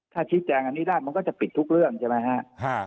ถ้าชี้แจงอันนี้ได้มันก็จะปิดทุกเรื่องใช่ไหมฮะ